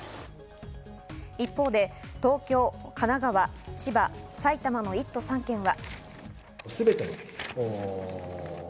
一方で、東京、神奈川、千葉、埼玉の１都３県は。